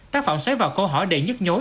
tác phẩm xoáy vào câu hỏi đầy nhất nhối